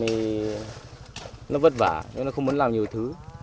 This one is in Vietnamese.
vậy là mình nó vất vả nó không muốn làm nhiều thứ